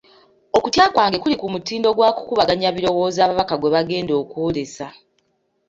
Okutya kwange kuli ku mutindo gwa kukubaganya birowoozo ababaka gwe bagenda okwolesa.